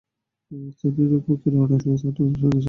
তিনি রূপকের আড়ালেও তার নানান দর্শন উপস্থাপন করেছেন।